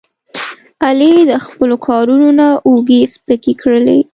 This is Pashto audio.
علي د خپلو کارونو نه اوږې سپکې کړلې.